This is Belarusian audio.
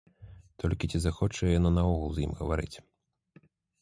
Толькі ці захоча яна наогул з ім гаварыць?